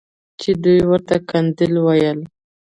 چې دوى ورته قنديل ويل.